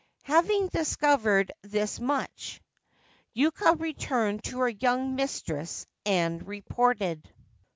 Having discovered this much, Yuka returned to her young mistress and reported.